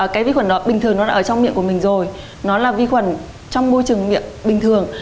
cái vi khuẩn bình thường nó là ở trong miệng của mình rồi nó là vi khuẩn trong môi trường miệng bình thường